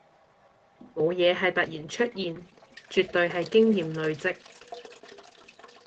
冇嘢係突然出現，絕對係經驗累積